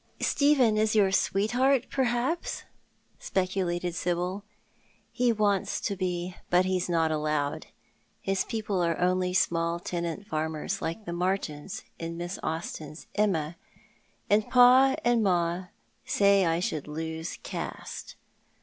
"" Stephen is your sweetheart perhaps," speculated Sibyl. " He wants to be, but he's not allowed. His people are only small tenant farmers, like the Martins in Miss Austen's ' Emma '■— and pa and ma say I should lose caste.